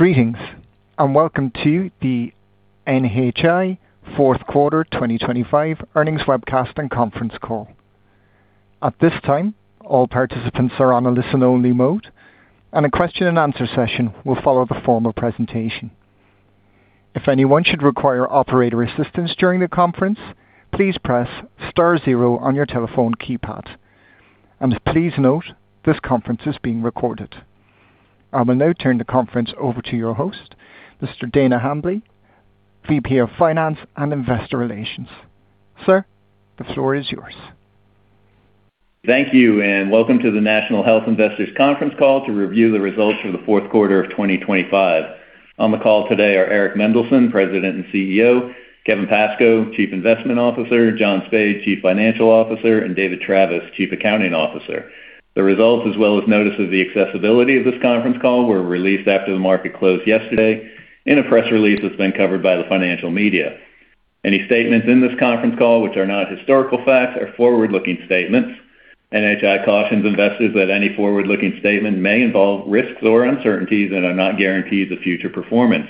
Greetings, welcome to the NHI 4th Quarter 2025 Earnings Webcast and Conference Call. At this time, all participants are on a listen-only mode, and a question-and-answer session will follow the formal presentation. If anyone should require operator assistance during the conference, please press star zero on your telephone keypad. Please note, this conference is being recorded. I will now turn the conference over to your host, Mr. Dana Hambly, VP of Finance and Investor Relations. Sir, the floor is yours. Thank you, and welcome to the National Health Investors conference call to review the results for the Q4 of 2025. On the call today are Eric Mendelsohn, President and CEO; Kevin Pascoe, Chief Investment Officer; John Spaid, Chief Financial Officer; and David Travis, Chief Accounting Officer. The results, as well as notice of the accessibility of this conference call, were released after the market closed yesterday in a press release that's been covered by the financial media. Any statements in this conference call, which are not historical facts, are forward-looking statements. NHI cautions investors that any forward-looking statement may involve risks or uncertainties that are not guarantees of future performance.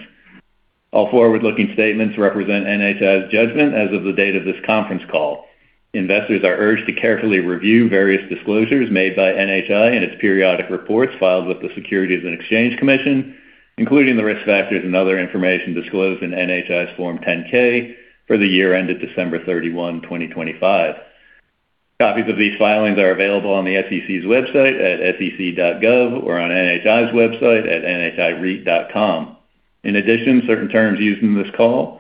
All forward-looking statements represent NHI's judgment as of the date of this conference call. Investors are urged to carefully review various disclosures made by NHI in its periodic reports filed with the Securities and Exchange Commission, including the risk factors and other information disclosed in NHI's Form 10-K for the year ended December 31, 2025. Copies of these filings are available on the SEC's website at sec.gov or on NHI's website at nhireit.com. In addition, certain terms used in this call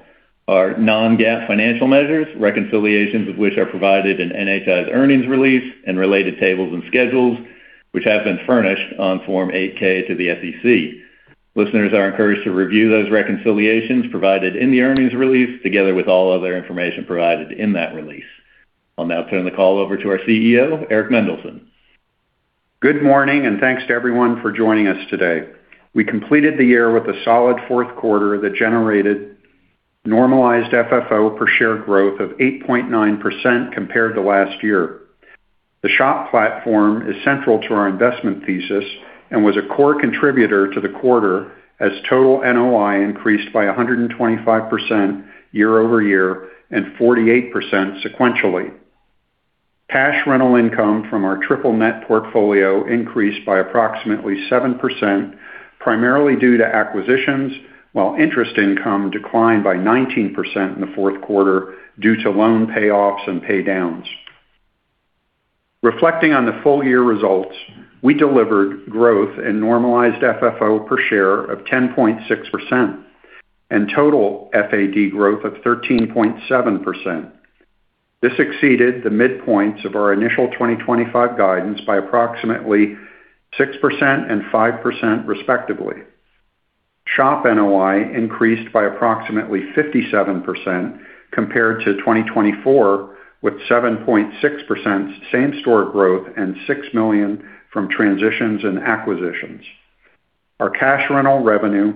are non-GAAP financial measures, reconciliations of which are provided in NHI's earnings release and related tables and schedules, which have been furnished on Form 8-K to the SEC. Listeners are encouraged to review those reconciliations provided in the earnings release, together with all other information provided in that release. I'll now turn the call over to our CEO, Eric Mendelsohn. Good morning. Thanks to everyone for joining us today. We completed the year with a solid Q4 that generated Normalized FFO per share growth of 8.9% compared to last year. The Seniors Housing Operating Portfolio platform is central to our investment thesis and was a core contributor to the quarter as total NOI increased by 125% year-over-year and 48% sequentially. Cash rental income from our triple net portfolio increased by approximately 7%, primarily due to acquisitions, while interest income declined by 19% in the Q4 due to loan payoffs and pay downs. Reflecting on the full year results, we delivered growth in Normalized FFO per share of 10.6% and total FAD growth of 13.7%. This exceeded the midpoints of our initial 2025 guidance by approximately 6% and 5% respectively. SHOP NOI increased by approximately 57% compared to 2024, with 7.6% same-store growth and $6 million from transitions and acquisitions. Our cash rental revenue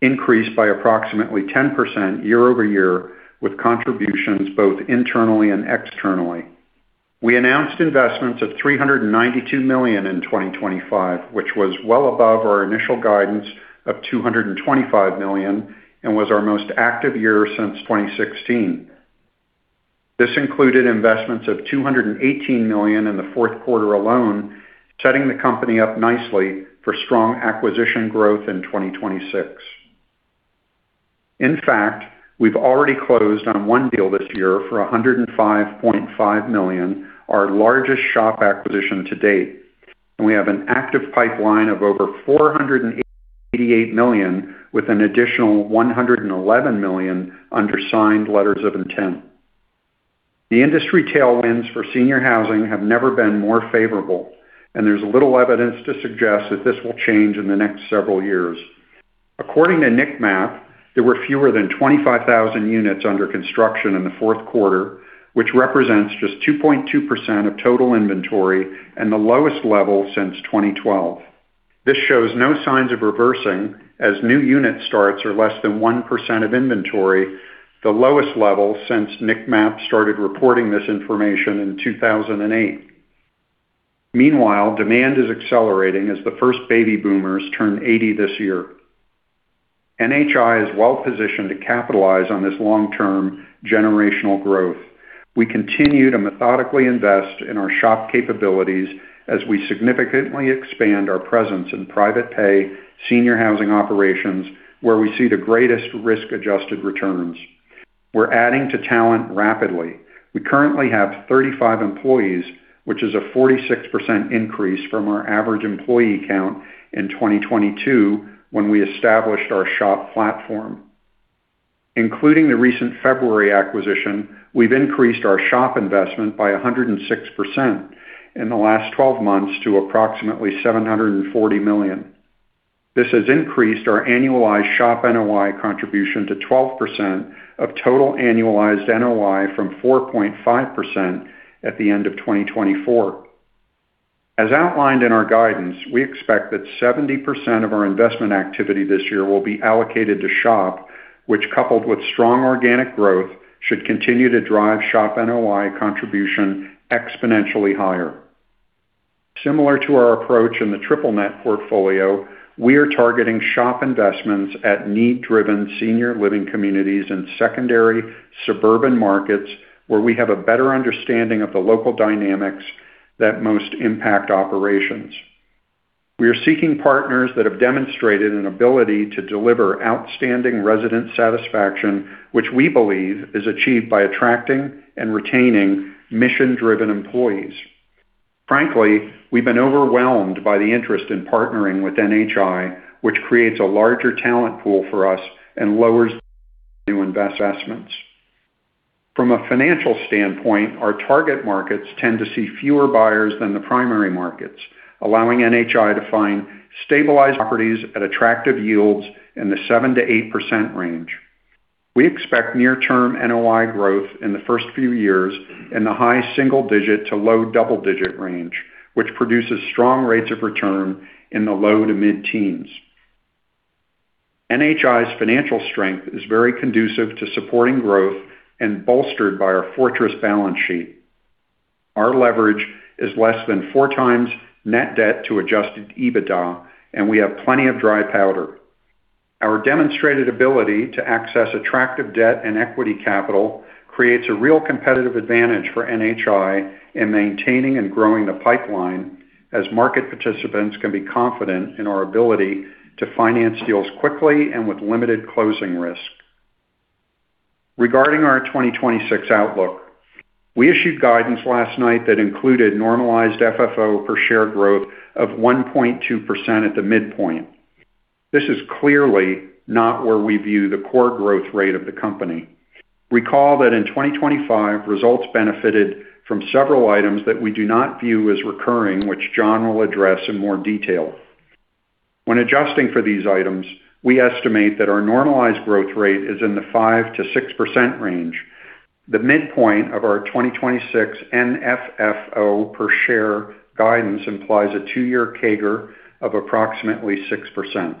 increased by approximately 10% year-over-year, with contributions both internally and externally. We announced investments of $392 million in 2025, which was well above our initial guidance of $225 million and was our most active year since 2016. This included investments of $218 million in the Q4 alone, setting the company up nicely for strong acquisition growth in 2026. In fact, we've already closed on one deal this year for $105.5 million, our largest SHOP acquisition to date, and we have an active pipeline of over $488 million, with an additional $111 million under signed letters of intent. The industry tailwinds for senior housing have never been more favorable, and there's little evidence to suggest that this will change in the next several years. According to NIC MAP, there were fewer than 25,000 units under construction in the Q4, which represents just 2.2% of total inventory and the lowest level since 2012. This shows no signs of reversing as new unit starts are less than 1% of inventory, the lowest level since NIC MAP started reporting this information in 2008. Meanwhile, demand is accelerating as the first baby boomers turn 80 this year. NHI is well positioned to capitalize on this long-term generational growth. We continue to methodically invest in our SHOP capabilities as we significantly expand our presence in private pay, senior housing operations, where we see the greatest risk-adjusted returns. We're adding to talent rapidly. We currently have 35 employees, which is a 46% increase from our average employee count in 2022, when we established our SHOP platform. Including the recent February acquisition, we've increased our SHOP investment by 106% in the last 12 months to approximately $740 million. This has increased our annualized SHOP NOI contribution to 12% of total annualized NOI from 4.5% at the end of 2024. As outlined in our guidance, we expect that 70% of our investment activity this year will be allocated to SHOP, which, coupled with strong organic growth, should continue to drive SHOP NOI contribution exponentially higher. Similar to our approach in the triple net portfolio, we are targeting SHOP investments at need-driven senior living communities in secondary suburban markets, where we have a better understanding of the local dynamics that most impact operations. We are seeking partners that have demonstrated an ability to deliver outstanding resident satisfaction, which we believe is achieved by attracting and retaining mission-driven employees. Frankly, we've been overwhelmed by the interest in partnering with NHI, which creates a larger talent pool for us and lowers new investments. From a financial standpoint, our target markets tend to see fewer buyers than the primary markets, allowing NHI to find stabilized properties at attractive yields in the 7%-8% range. We expect near-term NOI growth in the first few years in the high single-digit to low double-digit range, which produces strong rates of return in the low to mid-teens. NHI's financial strength is very conducive to supporting growth and bolstered by our fortress balance sheet. Our leverage is less than 4x net debt to Adjusted EBITDA, and we have plenty of dry powder. Our demonstrated ability to access attractive debt and equity capital creates a real competitive advantage for NHI in maintaining and growing the pipeline, as market participants can be confident in our ability to finance deals quickly and with limited closing risk. Regarding our 2026 outlook, we issued guidance last night that included Normalized FFO per share growth of 1.2% at the midpoint. This is clearly not where we view the core growth rate of the company. Recall that in 2025, results benefited from several items that we do not view as recurring, which John will address in more detail. When adjusting for these items, we estimate that our normalized growth rate is in the 5%-6% range. The midpoint of our 2026 NFFO per share guidance implies a 2-year CAGR of approximately 6%.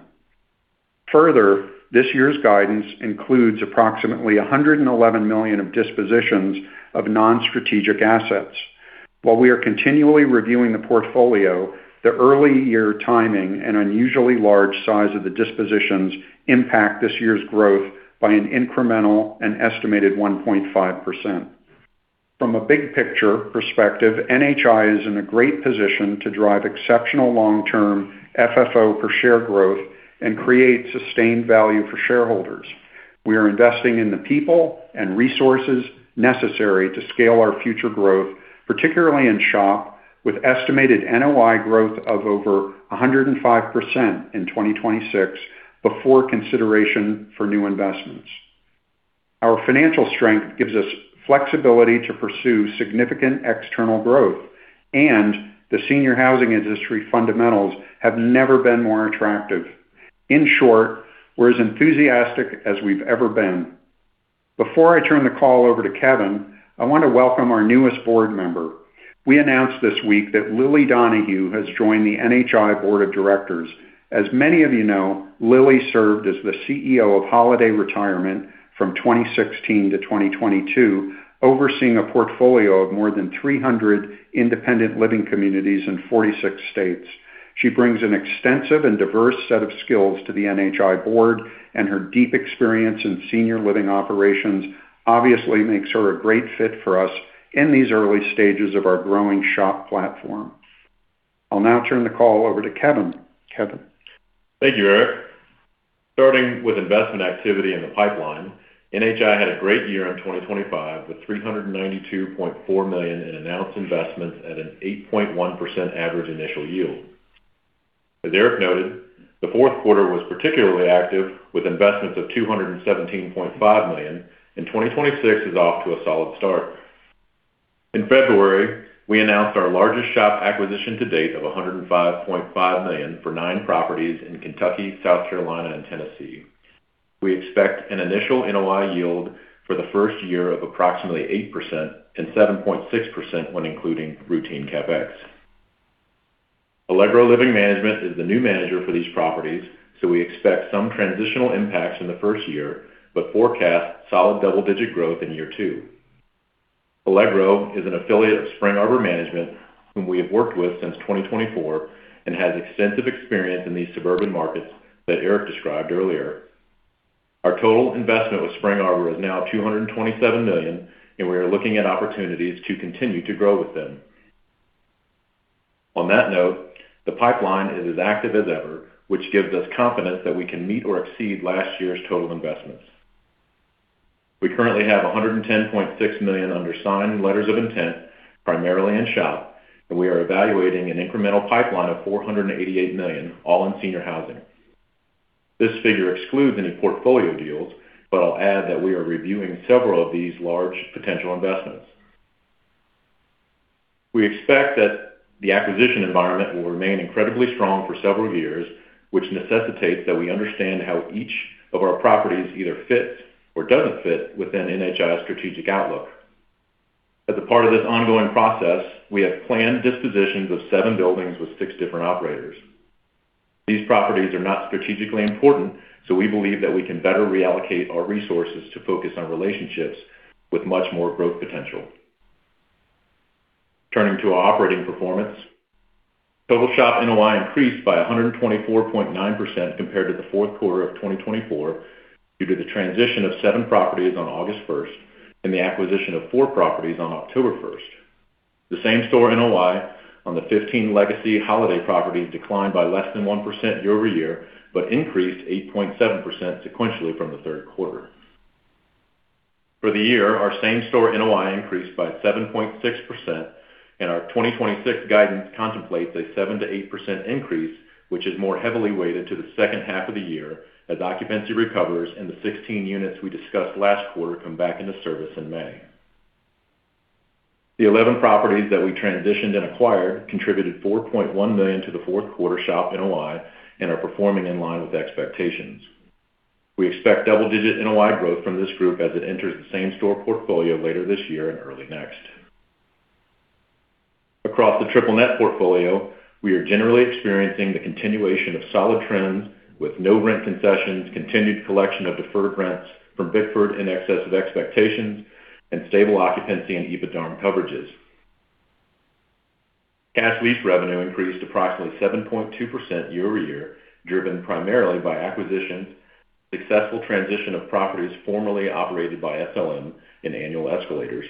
Further, this year's guidance includes approximately $111 million of dispositions of non-strategic assets. While we are continually reviewing the portfolio, the early year timing and unusually large size of the dispositions impact this year's growth by an incremental and estimated 1.5%. From a big picture perspective, NHI is in a great position to drive exceptional long-term FFO per share growth and create sustained value for shareholders. We are investing in the people and resources necessary to scale our future growth, particularly in SHOP, with estimated NOI growth of over 105% in 2026, before consideration for new investments. Our financial strength gives us flexibility to pursue significant external growth. The senior housing industry fundamentals have never been more attractive. In short, we're as enthusiastic as we've ever been. Before I turn the call over to Kevin, I want to welcome our newest Board member. We announced this week that Lilly Donohue has joined the NHI Board of Directors. As many of you know, Lilly served as the CEO of Holiday Retirement from 2016 to 2022, overseeing a portfolio of more than 300 independent living communities in 46 states. She brings an extensive and diverse set of skills to the NHI board, and her deep experience in senior living operations obviously makes her a great fit for us in these early stages of our growing SHOP platform. I'll now turn the call over to Kevin. Kevin? Thank you, Eric. Starting with investment activity in the pipeline, NHI had a great year in 2025, with $392.4 million in announced investments at an 8.1% average initial yield. As Eric noted, the Q4 was particularly active, with investments of $217.5 million. 2026 is off to a solid start. In February, we announced our largest SHOP acquisition to date of $105.5 million for 9 properties in Kentucky, South Carolina and Tennessee. We expect an initial NOI yield for the first year of approximately 8% and 7.6% when including routine CapEx. Allegro Living Management is the new manager for these properties. We expect some transitional impacts in the first year, forecast solid double-digit growth in year two. Allegro Living is an affiliate of Spring Arbor Management, whom we have worked with since 2024, has extensive experience in these suburban markets that Eric described earlier. Our total investment with Spring Arbor is now $227 million, we are looking at opportunities to continue to grow with them. On that note, the pipeline is as active as ever, which gives us confidence that we can meet or exceed last year's total investments. We currently have $110.6 million under signed letters of intent, primarily in SHOP, we are evaluating an incremental pipeline of $488 million, all in senior housing. This figure excludes any portfolio deals, I'll add that we are reviewing several of these large potential investments. We expect that the acquisition environment will remain incredibly strong for several years, which necessitates that we understand how each of our properties either fits or doesn't fit within NHI's strategic outlook. A part of this ongoing process, we have planned dispositions of 7 buildings with 6 different operators. These properties are not strategically important. We believe that we can better reallocate our resources to focus on relationships with much more growth potential. Turning to our operating performance, total SHOP NOI increased by 124.9% compared to the Q4 of 2024, due to the transition of 7 properties on August 1st and the acquisition of 4 properties on October 1st. The same-store NOI on the 15 legacy Holiday properties declined by less than 1% year-over-year, but increased 8.7% sequentially from the Q3. For the year, our same-store NOI increased by 7.6%, Our 2026 guidance contemplates a 7%-8% increase, which is more heavily weighted to the second half of the year as occupancy recovers and the 16 units we discussed last quarter come back into service in May. The 11 properties that we transitioned and acquired contributed $4.1 million to the Q4 SHOP NOI and are performing in line with expectations. We expect double-digit NOI growth from this group as it enters the same-store portfolio later this year and early next. Across the triple net portfolio, we are generally experiencing the continuation of solid trends with no rent concessions, continued collection of deferred rents from Bickford in excess of expectations, and stable occupancy and EBITDARM coverages. Cash lease revenue increased approximately 7.2% year-over-year, driven primarily by acquisitions, successful transition of properties formerly operated by SLM, and annual escalators.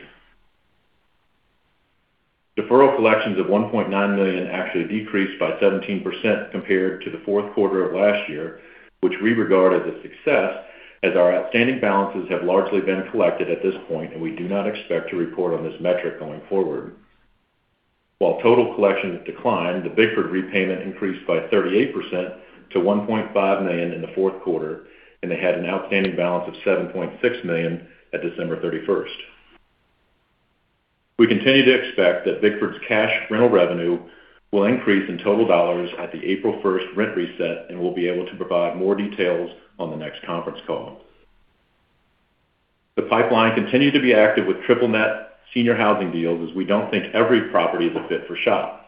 Deferral collections of $1.9 million actually decreased by 17% compared to the Q4 of last year, which we regard as a success, as our outstanding balances have largely been collected at this point, and we do not expect to report on this metric going forward. While total collections declined, the Bickford repayment increased by 38% to $1.5 million in the Q4, and they had an outstanding balance of $7.6 million at December 31st. We continue to expect that Bickford's cash rental revenue will increase in total dollars at the April 1st rent reset, and we'll be able to provide more details on the next conference call. The pipeline continued to be active with triple net senior housing deals, as we don't think every property is a fit for SHOP.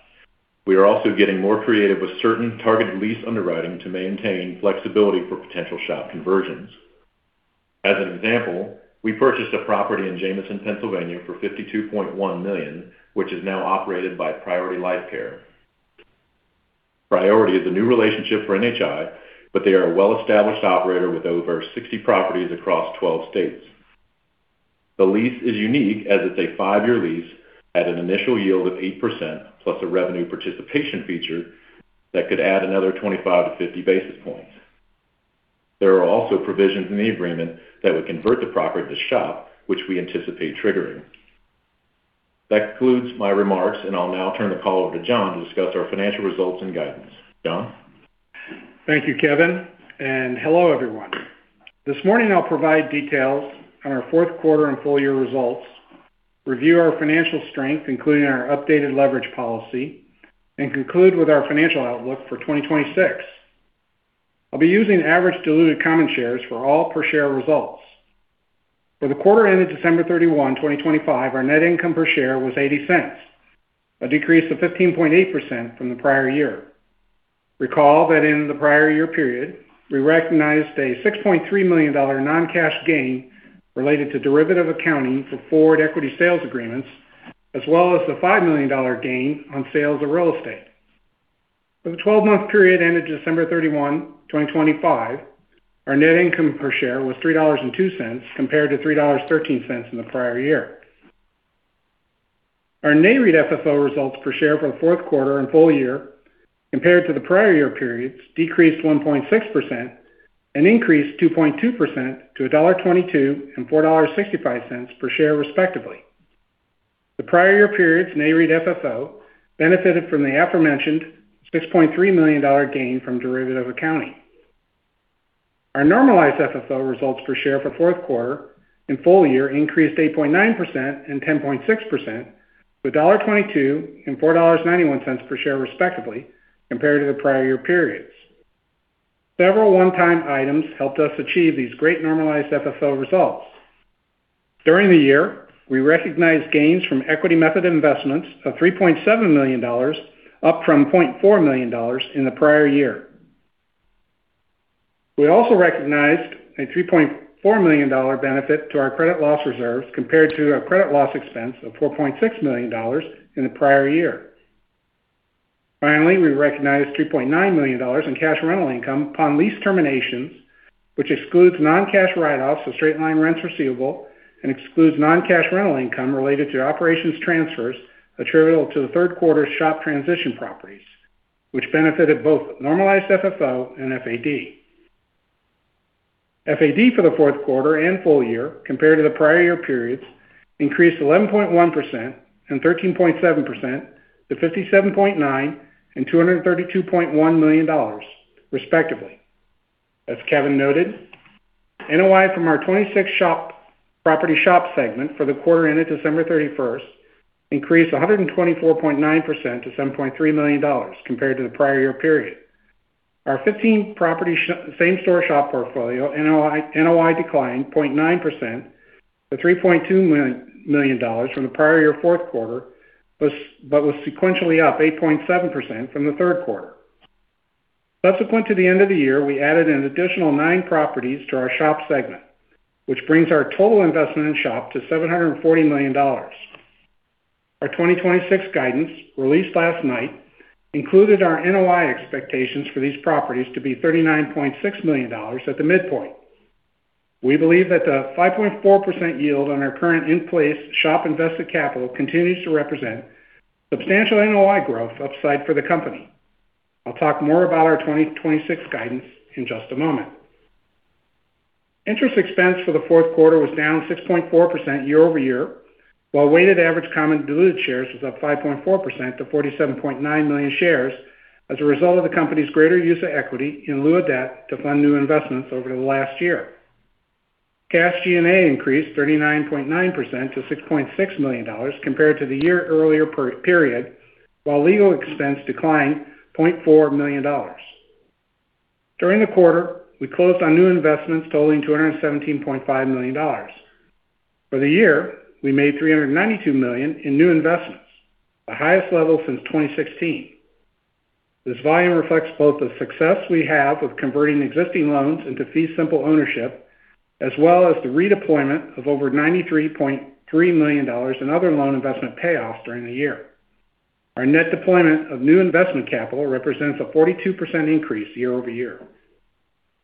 We are also getting more creative with certain targeted lease underwriting to maintain flexibility for potential SHOP conversions. As an example, we purchased a property in Jamison, Pennsylvania, for $52.1 million, which is now operated by Priority Life Care. Priority is a new relationship for NHI, but they are a well-established operator with over 60 properties across 12 states. The lease is unique as it's a 5-year lease at an initial yield of 8%, plus a revenue participation feature that could add another 25-50 basis points. There are also provisions in the agreement that would convert the property to SHOP, which we anticipate triggering. That concludes my remarks, and I'll now turn the call over to John to discuss our financial results and guidance. John? Thank you, Kevin, and hello, everyone. This morning, I'll provide details on our Q4 and full year results, review our financial strength, including our updated leverage policy, and conclude with our financial outlook for 2026. I'll be using average diluted common shares for all per share results. For the quarter ended December 31, 2025, our net income per share was $0.80, a decrease of 15.8% from the prior year. Recall that in the prior year period, we recognized a $6.3 million non-cash gain related to derivative accounting for forward equity sales agreements, as well as the $5 million gain on sales of real estate. For the 12-month period ended December 31, 2025, our net income per share was $3.02, compared to $3.13 in the prior year. Our Nareit FFO results per share for the Q4 and full year, compared to the prior year periods, decreased 1.6% and increased 2.2% to $1.22 and $4.65 per share, respectively. The prior year period's Nareit FFO benefited from the aforementioned $6.3 million gain from derivative accounting. Our Normalized FFO results per share for Q4 and full year increased 8.9% and 10.6%, to $1.22 and $4.91 per share, respectively, compared to the prior year periods. Several one-time items helped us achieve these great Normalized FFO results. During the year, we recognized gains from equity method investments of $3.7 million, up from $0.4 million in the prior year. We also recognized a $3.4 million benefit to our credit loss reserves compared to a credit loss expense of $4.6 million in the prior year. Finally, we recognized $3.9 million in cash rental income upon lease terminations, which excludes non-cash write-offs for straight-line rents receivable and excludes non-cash rental income related to operations transfers attributable to the Q3 SHOP transition properties, which benefited both Normalized FFO and FAD. FAD for the Q4 and full year, compared to the prior year periods, increased 11.1% and 13.7% to $57.9 million and $232.1 million, respectively. As Kevin noted, NOI from our 26 SHOP property SHOP segment for the quarter ended December 31st, increased 124.9% to $7.3 million compared to the prior year period. Our 15 property same-store SHOP portfolio, NOI declined 0.9% to $3.2 million from the prior year Q4, was sequentially up 8.7% from the Q3. subsequent to the end of the year, we added an additional nine properties to our SHOP segment, which brings our total investment in SHOP to $740 million. Our 2026 guidance, released last night, included our NOI expectations for these properties to be $39.6 million at the midpoint. We believe that the 5.4% yield on our current in-place SHOP invested capital continues to represent substantial NOI growth upside for the company. I'll talk more about our 2026 guidance in just a moment. Interest expense for the Q4 was down 6.4% year-over-year, while weighted average common diluted shares was up 5.4% to 47.9 million shares, as a result of the company's greater use of equity in lieu of debt to fund new investments over the last year. Cash G&A increased 39.9% to $6.6 million compared to the year earlier period, while legal expense declined $0.4 million. During the quarter, we closed on new investments totaling $217.5 million. For the year, we made $392 million in new investments, the highest level since 2016. This volume reflects both the success we have of converting existing loans into fee simple ownership, as well as the redeployment of over $93.3 million in other loan investment payoffs during the year. Our net deployment of new investment capital represents a 42% increase year-over-year.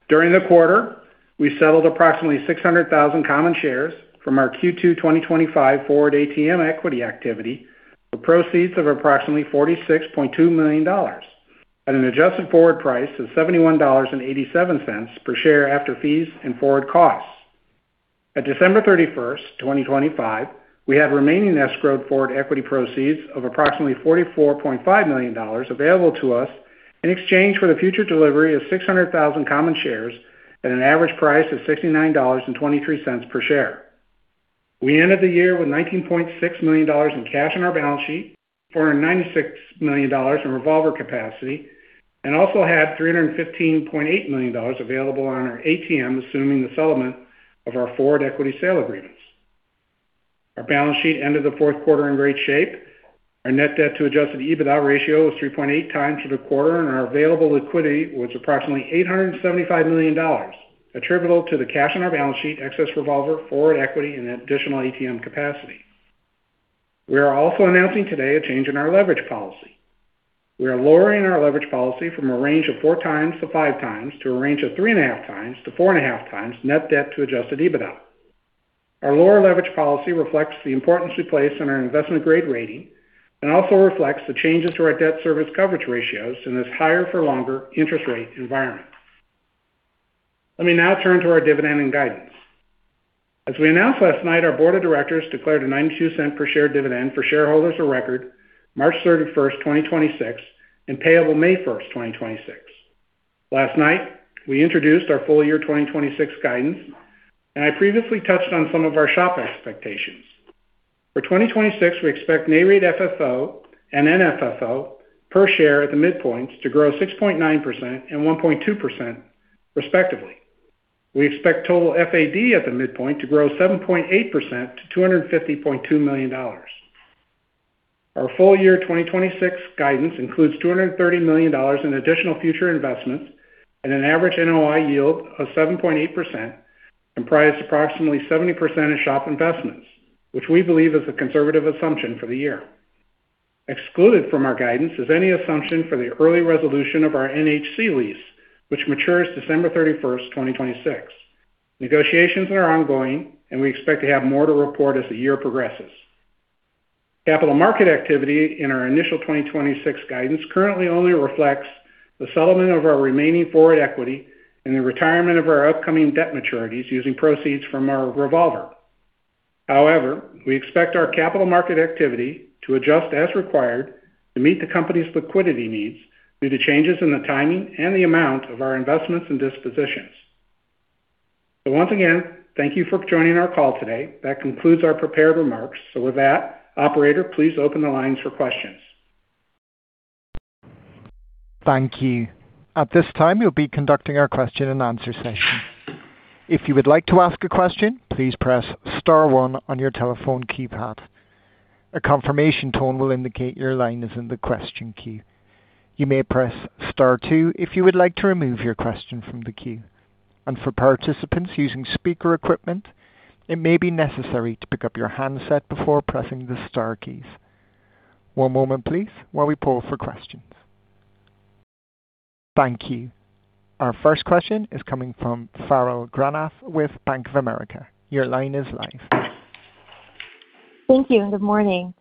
During the quarter, we settled approximately 600,000 common shares from our Q2 2025 forward ATM equity activity, with proceeds of approximately $46.2 million, at an adjusted forward price of $71.87 per share after fees and forward costs. At December 31st, 2025, we have remaining escrowed forward equity proceeds of approximately $44.5 million available to us in exchange for the future delivery of 600,000 common shares at an average price of $69.23 per share. We ended the year with $19.6 million in cash on our balance sheet, $496 million in revolver capacity, and also had $315.8 million available on our ATM, assuming the settlement of our forward equity sale agreements. Our balance sheet ended the Q4 in great shape. Our net debt to Adjusted EBITDA ratio was 3.8 times for the quarter. Our available liquidity was approximately $875 million, attributable to the cash on our balance sheet, excess revolver, forward equity, and additional ATM capacity. We are also announcing today a change in our leverage policy. We are lowering our leverage policy from a range of 4x-5x to a range of 3.5x-4.5x net debt to Adjusted EBITDA. Our lower leverage policy reflects the importance we place on our investment-grade rating and also reflects the changes to our debt service coverage ratios in this higher for longer interest rate environment. Let me now turn to our dividend and guidance. As we announced last night, our board of directors declared a $0.92 per share dividend for shareholders of record, March 31, 2026, and payable May 1, 2026. Last night, we introduced our full year 2026 guidance, and I previously touched on some of our SHOP expectations. For 2026, we expect Nareit FFO and NFFO per share at the midpoint to grow 6.9% and 1.2%, respectively. We expect total FAD at the midpoint to grow 7.8% to $250.2 million. Our full year 2026 guidance includes $230 million in additional future investments and an average NOI yield of 7.8% and price approximately 70% of SHOP investments, which we believe is a conservative assumption for the year. Excluded from our guidance is any assumption for the early resolution of our NHC lease, which matures December 31st, 2026. Negotiations are ongoing, and we expect to have more to report as the year progresses. Capital market activity in our initial 2026 guidance currently only reflects the settlement of our remaining forward equity and the retirement of our upcoming debt maturities using proceeds from our revolver. We expect our capital market activity to adjust as required to meet the company's liquidity needs due to changes in the timing and the amount of our investments and dispositions. Once again, thank you for joining our call today. That concludes our prepared remarks. With that, operator, please open the lines for questions. Thank you. At this time, we'll be conducting our question and answer session. If you would like to ask a question, please press star one on your telephone keypad. A confirmation tone will indicate your line is in the question queue. You may press star two if you would like to remove your question from the queue. For participants using speaker equipment, it may be necessary to pick up your handset before pressing the star keys. One moment, please, while we pull for questions. Thank you. Our first question is coming from Farrell Granath with Bank of America. Your line is live. Thank you. Good morning.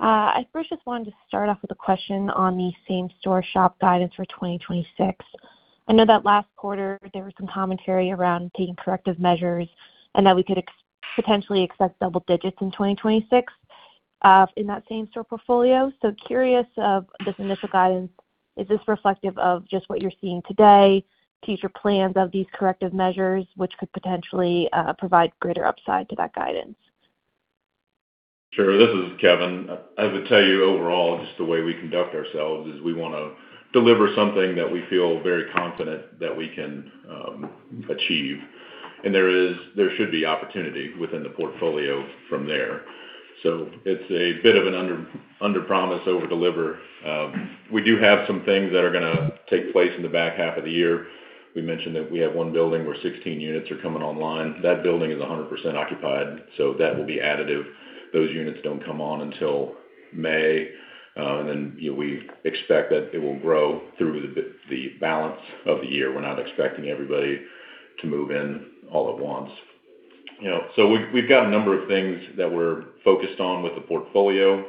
I first just wanted to start off with a question on the same-store SHOP guidance for 2026. I know that last quarter, there was some commentary around taking corrective measures and that we could potentially accept double digits in 2026, in that same-store portfolio. Curious of this initial guidance, is this reflective of just what you're seeing today, future plans of these corrective measures, which could potentially provide greater upside to that guidance? Sure. This is Kevin. I would tell you overall, just the way we conduct ourselves is we wanna deliver something that we feel very confident that we can achieve. There should be opportunity within the portfolio from there. It's a bit of an under, underpromise, overdeliver. We do have some things that are gonna take place in the back half of the year. We mentioned that we have one building where 16 units are coming online. That building is 100% occupied, so that will be additive. Those units don't come on until May, and then, you know, we expect that it will grow through the balance of the year. We're not expecting everybody to move in all at once. You know, we've got a number of things that we're focused on with the portfolio.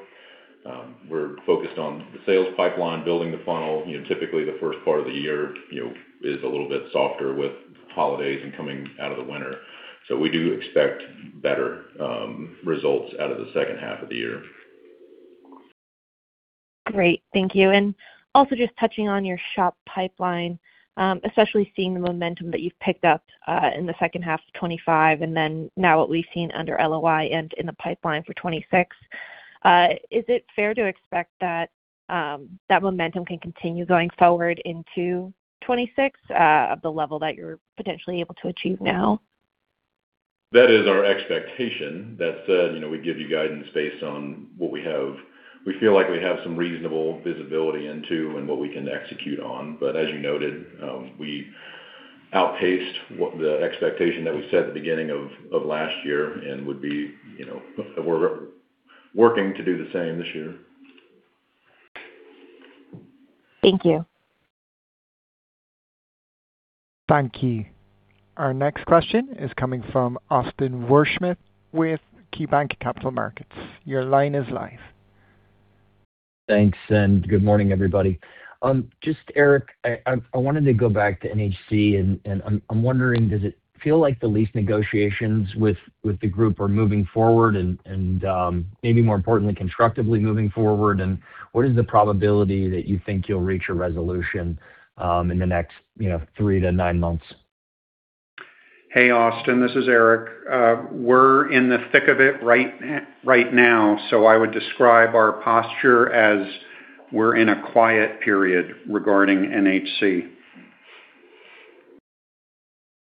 We're focused on the sales pipeline, building the funnel. You know, typically, the first part of the year, you know, is a little bit softer with holidays and coming out of the winter. We do expect better results out of the second half of the year. Great. Thank you. Just touching on your SHOP pipeline, especially seeing the momentum that you've picked up in the second half of 2025, and then now what we've seen under LOI and in the pipeline for 2026. Is it fair to expect that momentum can continue going forward into 2026, of the level that you're potentially able to achieve now? That is our expectation. That said, you know, we give you guidance based on what we feel like we have some reasonable visibility into and what we can execute on. As you noted, we outpaced what the expectation that we set at the beginning of last year and would be, you know, we're working to do the same this year. Thank you. Thank you. Our next question is coming from Austin Werschmidt with KeyBanc Capital Markets. Your line is live. Thanks. Good morning, everybody. Just, Eric, I wanted to go back to NHC, and I'm wondering, does it feel like the lease negotiations with the group are moving forward and maybe more importantly, constructively moving forward? What is the probability that you think you'll reach a resolution in the next, you know, 3 to 9 months? Hey, Austin, this is Eric. We're in the thick of it right now, I would describe our posture as we're in a quiet period regarding NHC.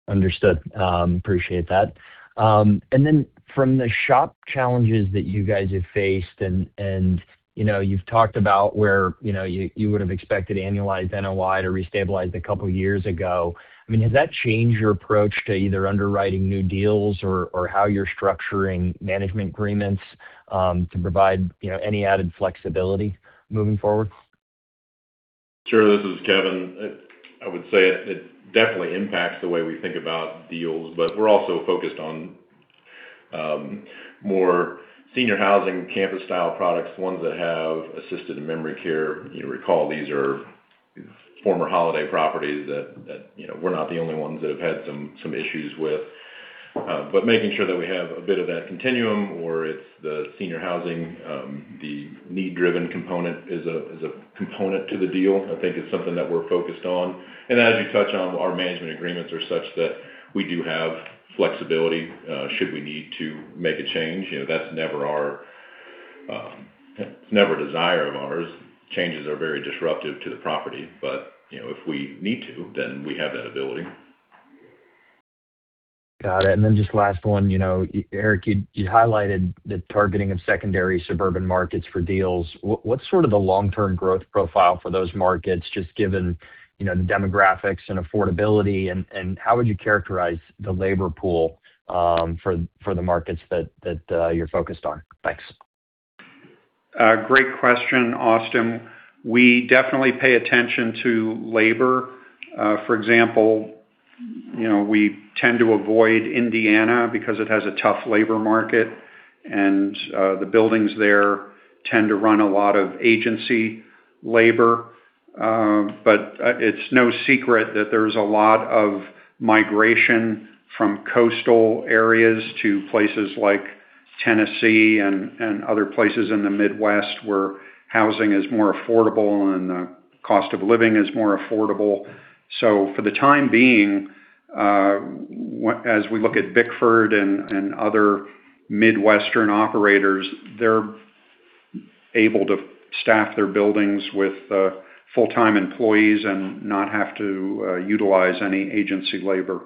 Understood. Appreciate that. From the SHOP challenges that you guys have faced and, you know, you've talked about where, you know, you would've expected annualized NOI to restabilize a couple of years ago. I mean, has that changed your approach to either underwriting new deals or how you're structuring management agreements to provide, you know, any added flexibility moving forward? Sure. This is Kevin. I would say it definitely impacts the way we think about deals, but we're also focused on more senior housing, campus-style products, ones that have assisted in memory care. You recall, these are former Holiday properties that, you know, we're not the only ones that have had some issues with. Making sure that we have a bit of that continuum, or it's the senior housing, the need-driven component is a component to the deal, I think it's something that we're focused on. As you touch on, our management agreements are such that we do have flexibility should we need to make a change. You know, that's never our never a desire of ours. Changes are very disruptive to the property, you know, if we need to, then we have that ability. Got it. Just last one. You know, Eric, you highlighted the targeting of secondary suburban markets for deals. What's sort of the long-term growth profile for those markets, just given, you know, the demographics and affordability, and how would you characterize the labor pool for the markets that you're focused on? Thanks. Great question, Austin. We definitely pay attention to labor. For example, you know, we tend to avoid Indiana because it has a tough labor market, the buildings there tend to run a lot of agency labor. It's no secret that there's a lot of migration from coastal areas to places like Tennessee and other places in the Midwest, where housing is more affordable and cost of living is more affordable. For the time being, as we look at Bickford and other Midwestern operators, they're able to staff their buildings with full-time employees and not have to utilize any agency labor.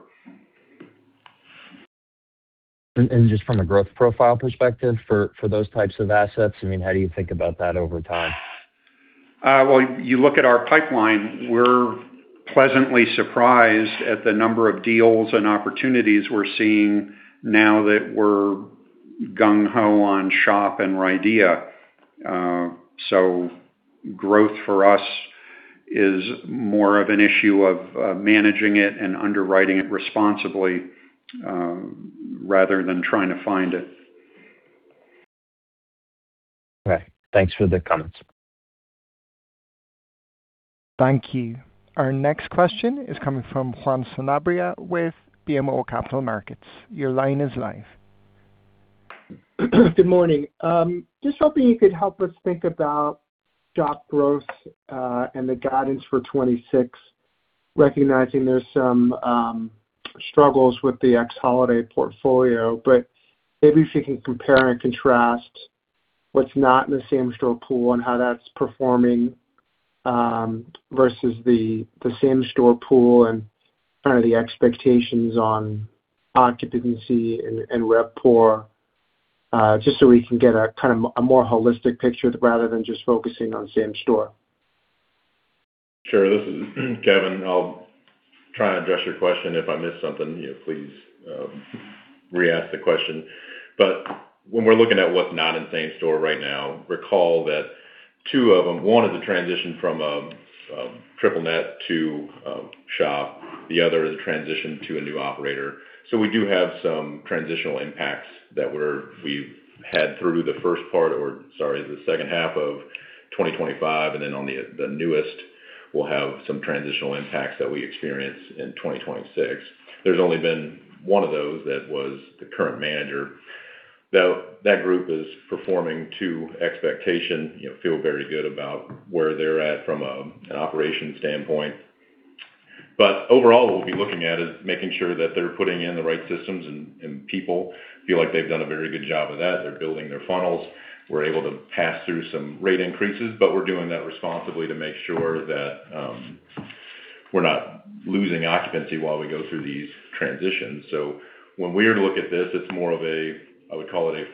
Just from a growth profile perspective, for those types of assets, I mean, how do you think about that over time? Well, you look at our pipeline, we're pleasantly surprised at the number of deals and opportunities we're seeing now that we're gung ho on SHOP and RIDEA. Growth for us is more of an issue of managing it and underwriting it responsibly, rather than trying to find it. Okay. Thanks for the comments. Thank you. Our next question is coming from Juan Sanabria with BMO Capital Markets. Your line is live. Good morning. just hoping you could help us think about SHOP growth, and the guidance for 26, recognizing there's some struggles with the ex-Holiday portfolio, but maybe if you can compare and contrast what's not in the same-store pool and how that's performing?... versus the same-store pool and kind of the expectations on occupancy and rapport, just so we can get a kind of a more holistic picture rather than just focusing on same store. Sure. This is Kevin. I'll try and address your question. If I miss something, you know, please re-ask the question. When we're looking at what's not in same store right now, recall that two of them, one, is a transition from a triple net to SHOP. The other is a transition to a new operator. We do have some transitional impacts that we've had through the first part or, sorry, the second half of 2025, and then on the newest, we'll have some transitional impacts that we experience in 2026. There's only been one of those that was the current manager, though that group is performing to expectation, you know, feel very good about where they're at from an operations standpoint. Overall, what we'll be looking at is making sure that they're putting in the right systems and people. Feel like they've done a very good job of that. They're building their funnels. We're able to pass through some rate increases, but we're doing that responsibly to make sure that we're not losing occupancy while we go through these transitions. When we are to look at this, it's more of a, I would call it, a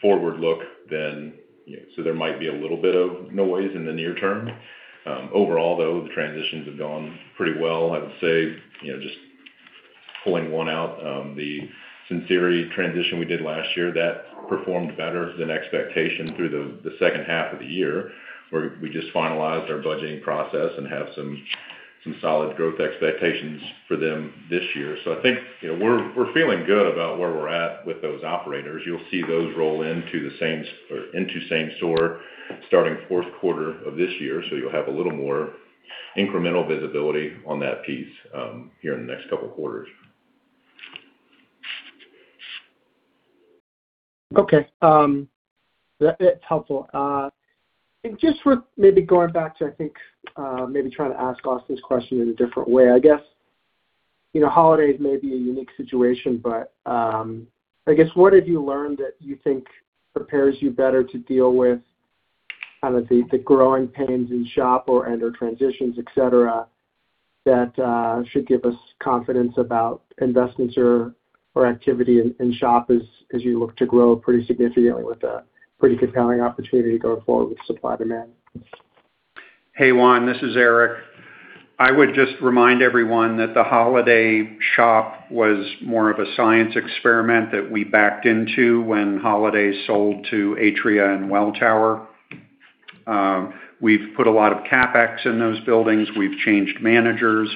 forward look than, you know. There might be a little bit of noise in the near term. Overall, though, the transitions have gone pretty well. I would say, you know, just pulling one out, the Sinceri transition we did last year, that performed better than expectation through the second half of the year, where we just finalized our budgeting process and have some solid growth expectations for them this year. I think, you know, we're feeling good about where we're at with those operators. You'll see those roll into the same, or into same store, starting Q4 of this year, so you'll have a little more incremental visibility on that piece, here in the next couple of quarters. Okay. That's helpful. Just for maybe going back to, I think, maybe trying to ask Austin's question in a different way. I guess, you know, Holiday may be a unique situation, but, I guess, what have you learned that you think prepares you better to deal with kind of the growing pains in SHOP or, and/or transitions, et cetera, that should give us confidence about investments or activity in SHOP as you look to grow pretty significantly with a pretty compelling opportunity going forward with supply-demand? Hey, Juan, this is Eric. I would just remind everyone that the Holiday SHOP was more of a science experiment that we backed into when Holiday sold to Atria and Welltower. We've put a lot of CapEx in those buildings. We've changed managers,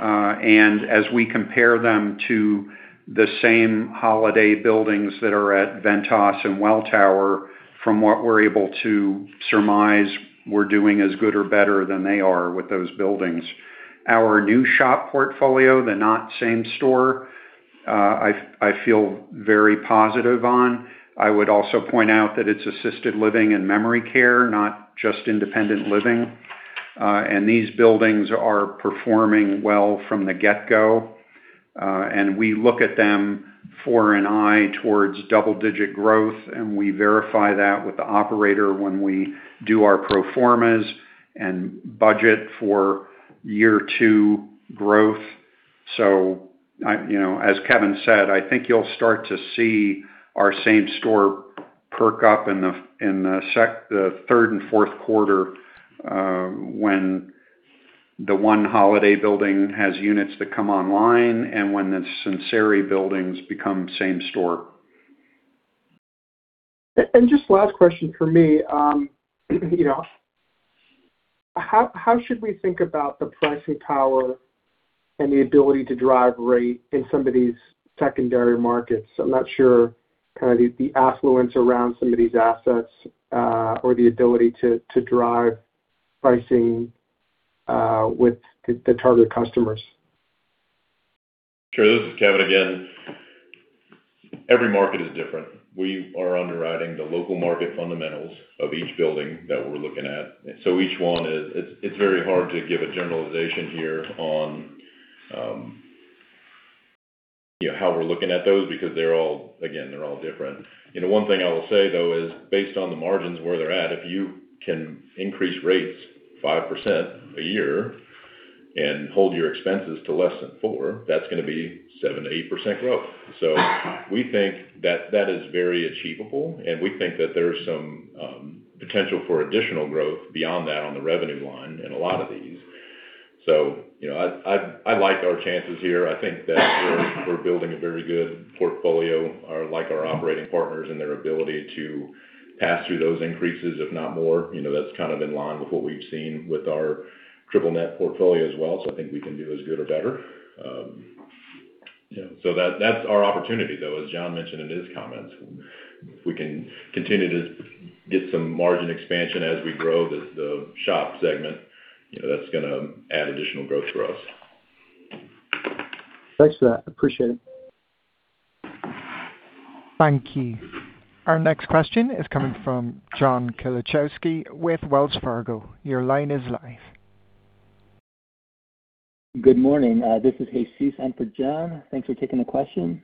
as we compare them to the same Holiday buildings that are at Ventas and Welltower, from what we're able to surmise, we're doing as good or better than they are with those buildings. Our new SHOP portfolio, the not same store, I feel very positive on. I would also point out that it's assisted living and memory care, not just independent living, these buildings are performing well from the get-go. We look at them for an eye towards double-digit growth, and we verify that with the operator when we do our pro formas and budget for year 2 growth. You know, as Kevin said, I think you'll start to see our same store perk up in the 3rd and 4th quarter, when the one Holiday building has units that come online and when the Sinceri buildings become same store. Just last question for me. You know, how should we think about the pricing power and the ability to drive rate in some of these secondary markets? I'm not sure kind of the affluence around some of these assets, or the ability to drive pricing with the target customers. Sure. This is Kevin Pascoe again. Every market is different. We are underwriting the local market fundamentals of each building that we're looking at. Each one. It's very hard to give a generalization here on, you know, how we're looking at those because they're all different. You know, one thing I will say, though, is based on the margins where they're at, if you can increase rates 5% a year and hold your expenses to less than 4%, that's gonna be 7%-8% growth. We think that that is very achievable, and we think that there is some potential for additional growth beyond that on the revenue line in a lot of these. You know, I like our chances here. I think that we're building a very good portfolio, like our operating partners and their ability to pass through those increases, if not more. You know, that's kind of in line with what we've seen with our triple net portfolio as well. I think we can do as good or better. Yeah, that's our opportunity, though, as John mentioned in his comments. If we can continue to get some margin expansion as we grow this, the SHOP segment, you know, that's gonna add additional growth for us. Thanks for that. Appreciate it. Thank you. Our next question is coming from John Kolochowski with Wells Fargo. Your line is live. Good morning, this is Jesus and for John, thanks for taking the question.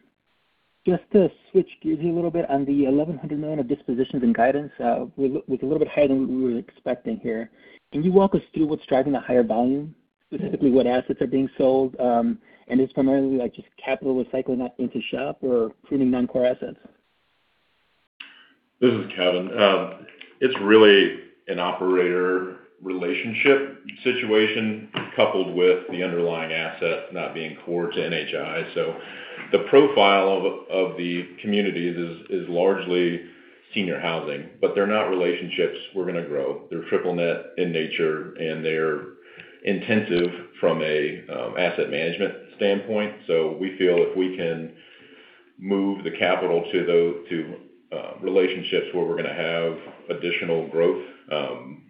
Just to switch gears a little bit on the $1,100 million of dispositions and guidance, was a little bit higher than we were expecting here. Can you walk us through what's driving the higher volume? Specifically, what assets are being sold, and is primarily like just capital recycling that into SHOP or pruning non-core assets? This is Kevin Pascoe. It's really an operator relationship situation, coupled with the underlying asset not being core to NHI. The profile of the community is largely senior housing, but they're not relationships we're gonna grow. They're triple net in nature, and they're intensive from an asset management standpoint. We feel if we can move the capital to relationships where we're gonna have additional growth,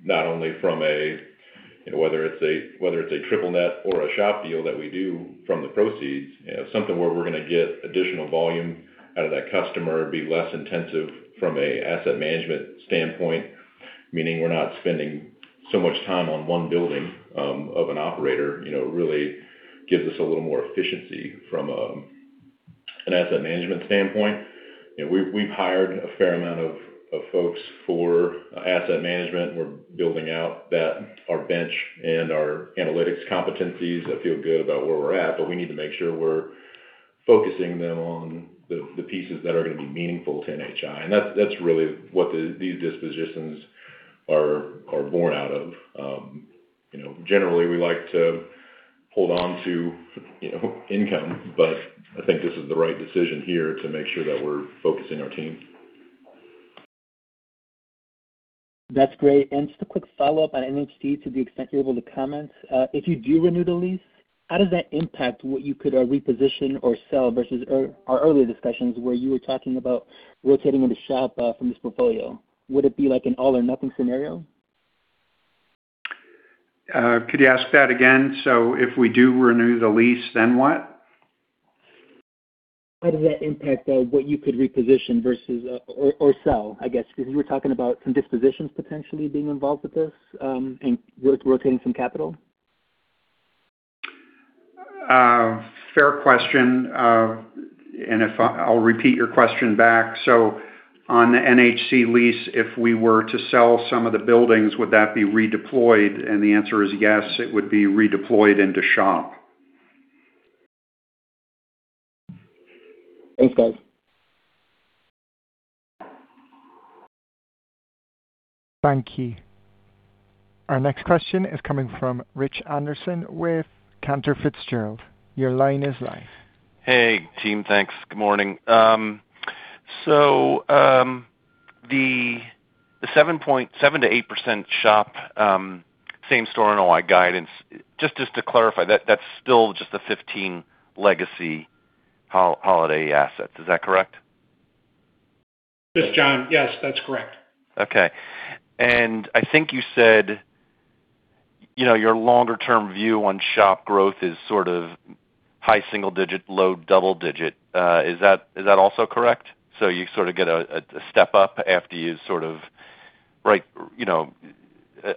not only from a, you know, whether it's a triple net or a SHOP deal that we do from the proceeds, you know, something where we're gonna get additional volume out of that customer, be less intensive from an asset management standpoint, meaning we're not spending so much time on one building, of an operator, you know, really gives us a little more efficiency from an asset management standpoint. We've hired a fair amount of folks for asset management. We're building out our bench and our analytics competencies. I feel good about where we're at, but we need to make sure we're focusing them on the pieces that are gonna be meaningful to NHI. That's really what these dispositions are born out of. You know, generally, we like to hold on to, you know, income, but I think this is the right decision here to make sure that we're focusing our team. That's great. Just a quick follow-up on NHC, to the extent you're able to comment. If you do renew the lease, how does that impact what you could reposition or sell versus our earlier discussions, where you were talking about rotating into SHOP from this portfolio? Would it be like an all or nothing scenario? Could you ask that again? If we do renew the lease, then what? How does that impact what you could reposition versus or sell, I guess, because you were talking about some dispositions potentially being involved with this, and rotating some capital. Fair question. I'll repeat your question back. On the NHC lease, if we were to sell some of the buildings, would that be redeployed? The answer is yes, it would be redeployed into SHOP. Thanks, guys. Thank you. Our next question is coming from Rich Anderson with Cantor Fitzgerald. Your line is live. Hey, team. Thanks. Good morning. The 7%-8% SHOP same store NOI guidance, just to clarify, that's still just the 15 legacy Holiday assets. Is that correct? This is John. Yes, that's correct. Okay. I think you said, you know, your longer term view on SHOP growth is sort of high single digit, low double digit. Is that also correct? You sort of get a step up after you sort of, you know,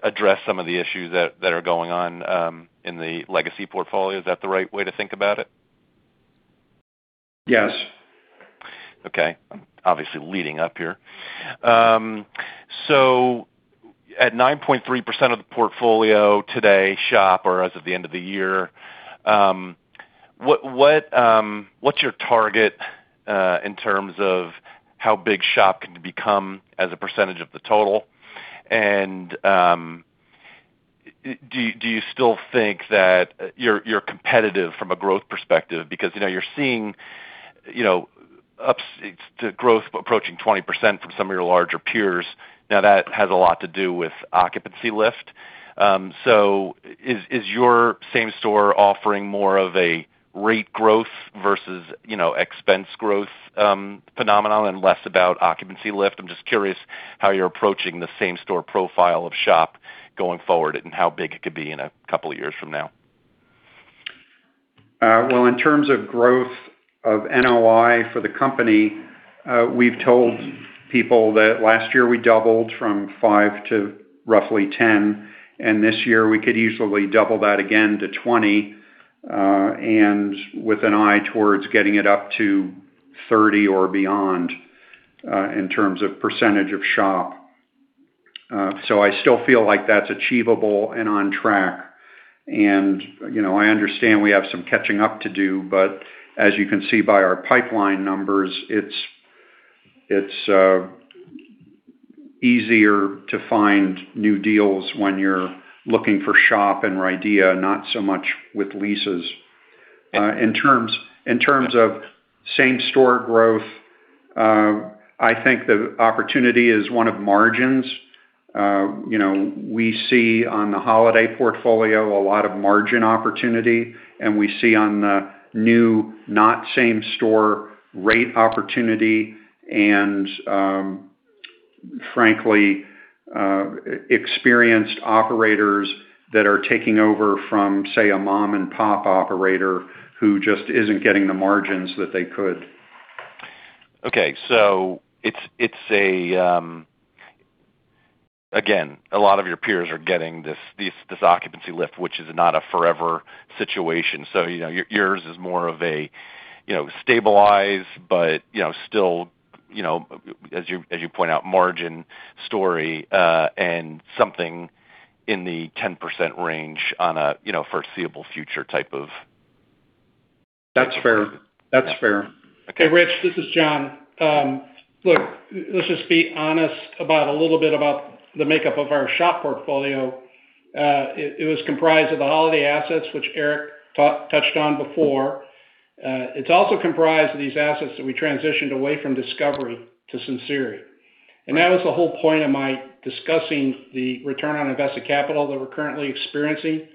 address some of the issues that are going on in the legacy portfolio. Is that the right way to think about it? Yes. Okay, obviously leading up here. At 9.3% of the portfolio today, SHOP, or as of the end of the year, what's your target in terms of how big SHOP can become as a percentage of the total? Do you still think that you're competitive from a growth perspective? Because, you know, you're seeing, you know, the growth approaching 20% from some of your larger peers. Now, that has a lot to do with occupancy lift. Is your same store offering more of a rate growth versus, you know, expense growth, phenomenon and less about occupancy lift? I'm just curious how you're approaching the same store profile of SHOP going forward and how big it could be in two years from now. Well, in terms of growth of NOI for the company, we've told people that last year we doubled from 5 to roughly 10, and this year we could easily double that again to 20, and with an eye towards getting it up to 30 or beyond, in terms of percentage of SHOP. I still feel like that's achievable and on track. You know, I understand we have some catching up to do, but as you can see by our pipeline numbers, it's easier to find new deals when you're looking for SHOP and RIDEA, not so much with leases. In terms of same-store growth, I think the opportunity is one of margins. you know, we see on the Holiday portfolio a lot of margin opportunity, and we see on the new, not same-store rate opportunity and, frankly, experienced operators that are taking over from, say, a mom-and-pop operator who just isn't getting the margins that they could. It's a. Again, a lot of your peers are getting this occupancy lift, which is not a forever situation. Your, yours is more of a, you know, stabilize, but, you know, still, you know, as you point out, margin story, and something in the 10% range on a, you know, foreseeable future type of. That's fair. That's fair. Okay, Rich, this is John. look, let's just be honest about a little bit about the makeup of our SHOP portfolio. It was comprised of the Holiday assets, which Eric touched on before. It's also comprised of these assets that we transitioned away from Discovery to Sinceri. That was the whole point of my discussing the return on invested capital that we're currently experiencing.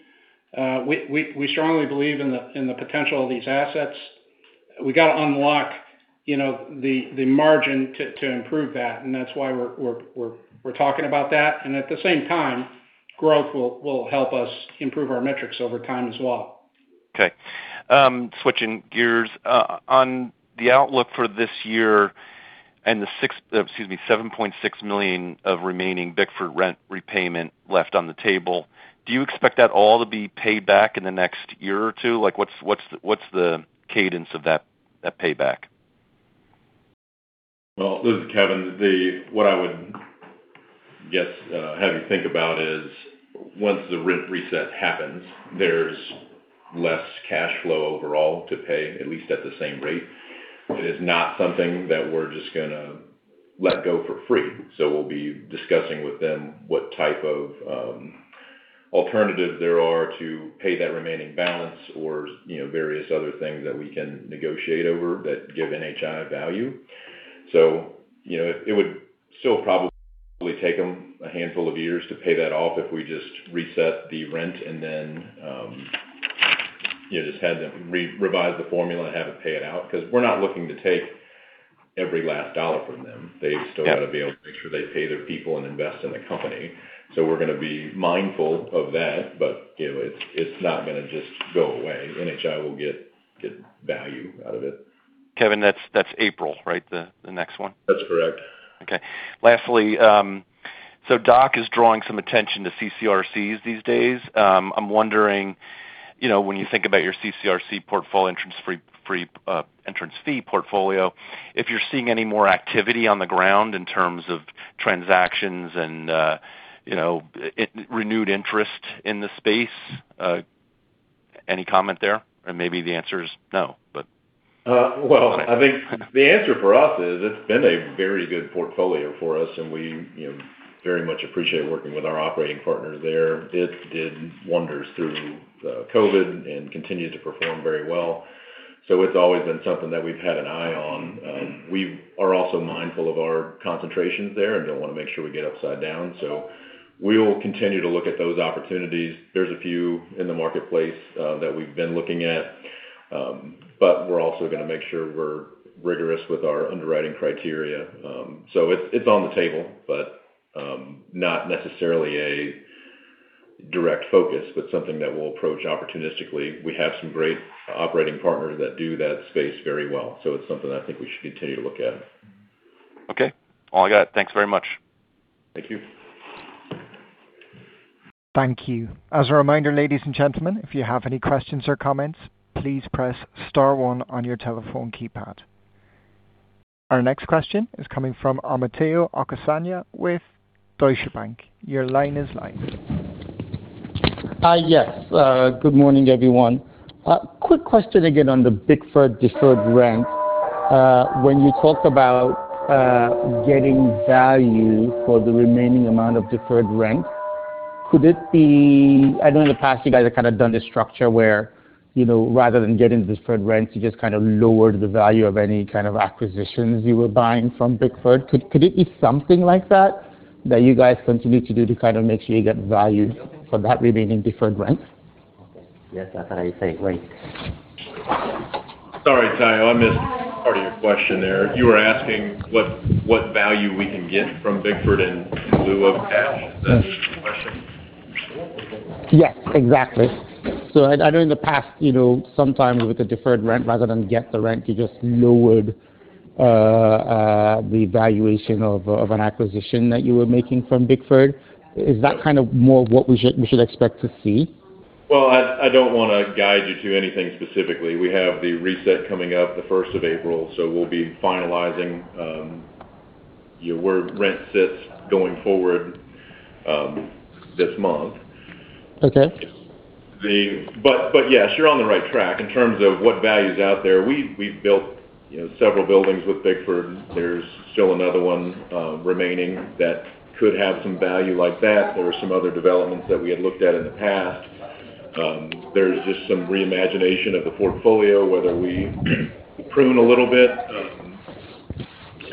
We strongly believe in the potential of these assets. We got to unlock, you know, the margin to improve that, and that's why we're talking about that. At the same time, growth will help us improve our metrics over time as well. Okay. Switching gears. On the outlook for this year and the $7.6 million of remaining Bickford rent repayment left on the table, do you expect that all to be paid back in the next year or two? Like, what's the cadence of that payback? Well, this is Kevin. What I would guess, have you think about is, once the rent reset happens, there's less cash flow overall to pay, at least at the same rate. It is not something that we're just gonna let go for free. We'll be discussing with them what type of alternatives there are to pay that remaining balance or, you know, various other things that we can negotiate over that give NHI value. You know, it would still probably take them a handful of years to pay that off if we just reset the rent and then, you know, just have them re-revise the formula and have it pay it out. We're not looking to take every last dollar from them. Yeah. They still got to be able to make sure they pay their people and invest in the company. We're gonna be mindful of that, but, you know, it's not gonna just go away. NHI will get value out of it. Kevin, that's April, right? The next one. That's correct. Okay. Lastly, DOC is drawing some attention to CCRCs these days. I'm wondering, you know, when you think about your CCRC portfolio entrance free, entrance fee portfolio, if you're seeing any more activity on the ground in terms of transactions and, you know, renewed interest in the space? Any comment there? Maybe the answer is no, but- Well, I think the answer for us is it's been a very good portfolio for us, and we, you know, very much appreciate working with our operating partners there. It did wonders through COVID and continued to perform very well. It's always been something that we've had an eye on. We are also mindful of our concentrations there and don't want to make sure we get upside down. We will continue to look at those opportunities. There's a few in the marketplace that we've been looking at. We're also gonna make sure we're rigorous with our underwriting criteria. It's, it's on the table, but not necessarily a direct focus, but something that we'll approach opportunistically. We have some great operating partners that do that space very well, it's something I think we should continue to look at. Okay. All I got. Thanks very much. Thank you. Thank you. As a reminder, ladies and gentlemen, if you have any questions or comments, please press star one on your telephone keypad. Our next question is coming from Mateo Acacina with Deutsche Bank. Your line is live. Yes. Good morning, everyone. Quick question again on the Bickford deferred rent. When you talk about getting value for the remaining amount of deferred rent, could it be... I know in the past, you guys have kind of done this structure where, you know, rather than getting the deferred rent, you just kind of lowered the value of any kind of acquisitions you were buying from Bickford. Could it be something like that you guys continue to do to kind of make sure you get value for that remaining deferred rent? Sorry, Tayo, I missed part of your question there. You were asking what value we can get from Bickford in lieu of cash? Yes. Is that the question? Yes, exactly. I know in the past, you know, sometimes with the deferred rent, rather than get the rent, you just lowered the valuation of an acquisition that you were making from Bickford. Is that kind of more what we should expect to see? I don't want to guide you to anything specifically. We have the reset coming up the first of April, so we'll be finalizing, you know, where rent sits going forward, this month. Okay. Yes, you're on the right track. In terms of what value is out there, we've built, you know, several buildings with Bickford. There's still another one remaining that could have some value like that. There are some other developments that we had looked at in the past. There's just some reimagination of the portfolio, whether we prune a little bit.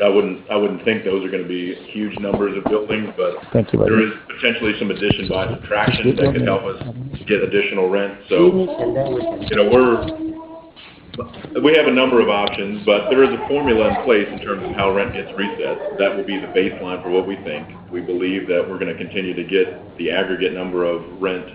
I wouldn't think those are gonna be huge numbers of buildings. Thank you. There is potentially some addition by subtraction that could help us to get additional rent. You know, we have a number of options, but there is a formula in place in terms of how rent gets reset. That will be the baseline for what we think. We believe that we're gonna continue to get the aggregate number of rent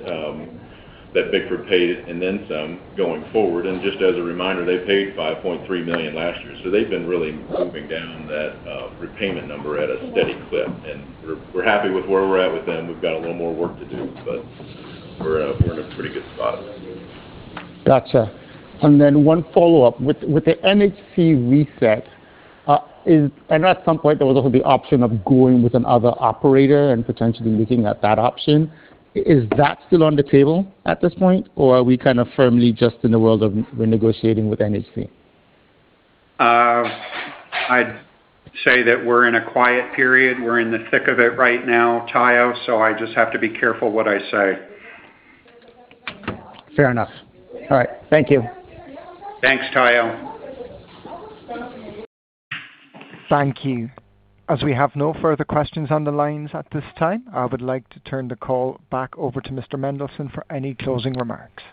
that Bickford paid, and then some going forward. Just as a reminder, they paid $5.3 million last year, so they've been really moving down that repayment number at a steady clip, and we're happy with where we're at with them. We've got a little more work to do, but we're in a pretty good spot. Gotcha. One follow-up. With the NHC reset, I know at some point there was also the option of going with another operator and potentially looking at that option. Is that still on the table at this point, or are we kind of firmly just in the world of renegotiating with NHC? I'd say that we're in a quiet period. We're in the thick of it right now, Tayo, so I just have to be careful what I say. Fair enough. All right. Thank you. Thanks, Tayo. Thank you. As we have no further questions on the lines at this time, I would like to turn the call back over to Mr. Mendelson for any closing remarks.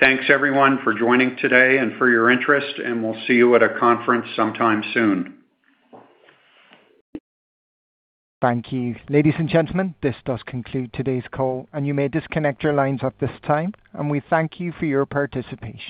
Thanks, everyone, for joining today and for your interest, and we'll see you at a conference sometime soon. Thank you. Ladies and gentlemen, this does conclude today's call. You may disconnect your lines at this time. We thank you for your participation.